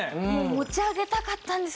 持ち上げたかったんですけど。